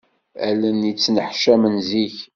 Allen yettneḥcamen zik.